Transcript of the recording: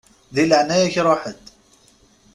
Di leɛnaya-k ṛuḥ-d.